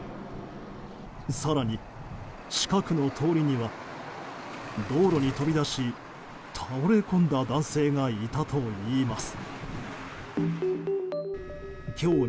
更に近くの通りには道路に飛び出し倒れ込んだ男性がいたといいます。